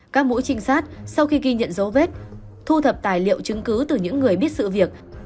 các mũi trinh sát sau khi ghi nhận dấu vết thu thập tài liệu chứng cứ từ những người biết sự việc